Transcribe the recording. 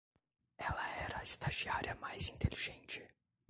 Ela era a estagiária mais inteligente